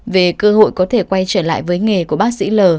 về cơ hội có thể quay trở lại với nghề của bác sĩ l